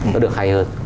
nó được hay hơn